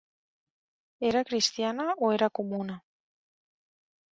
Era cristiana o era comuna.